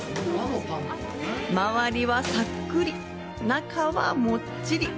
周りはさっくり、中はもっちり。